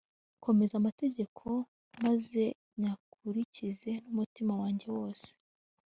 nkomeze amategeko maze nyakurikize n'umutima wanjye wose